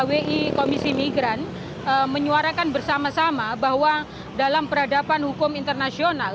wi komisi migran menyuarakan bersama sama bahwa dalam peradaban hukum internasional